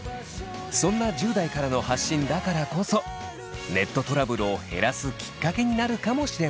そんな１０代からの発信だからこそネットトラブルを減らすきっかけになるかもしれません。